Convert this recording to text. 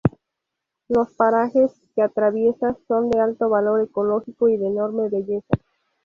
Los parajes que atraviesa son de alto valor ecológico y de enorme belleza.